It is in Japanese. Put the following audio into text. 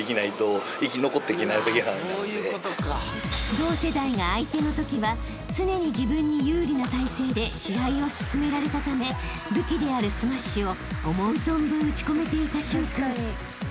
［同世代が相手のときは常に自分に有利な体勢で試合を進められたため武器であるスマッシュを思う存分打ち込めていた駿君］